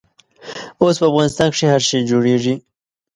اوس په افغانستان کښې هر شی جوړېږي.